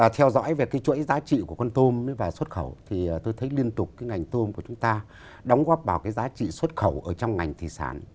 theo dõi về chuỗi giá trị của con tôm và xuất khẩu thì tôi thấy liên tục ngành tôm của chúng ta đóng góp vào giá trị xuất khẩu ở trong ngành thị sản